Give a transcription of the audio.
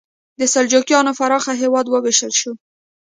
د سلجوقیانو پراخ هېواد وویشل شو.